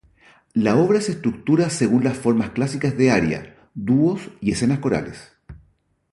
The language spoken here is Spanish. La obra se estructura según las formas clásicas de aria, dúos y escenas corales.